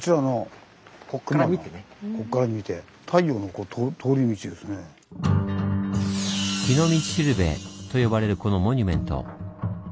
「陽の道しるべ」と呼ばれるこのモニュメント。